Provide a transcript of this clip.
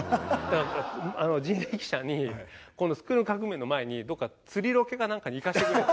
人力舎に『スクール革命！』の前にどっか釣りロケか何かに行かしてくれって。